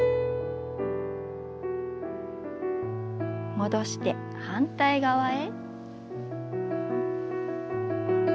戻して反対側へ。